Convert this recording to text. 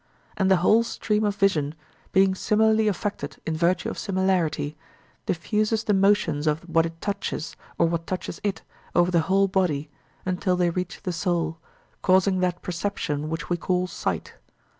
And the whole stream of vision, being similarly affected in virtue of similarity, diffuses the motions of what it touches or what touches it over the whole body, until they reach the soul, causing that perception which we call sight.